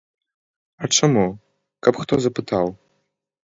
А чаму, каб хто запытаў?